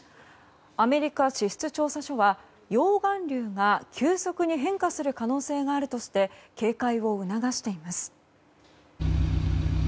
アメリカ地質調査所は溶岩流が急速に変化する可能性があるとして警戒を促しています。